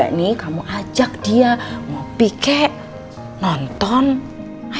bisa juga nih kamu ajak dia mau pikir nonton ayo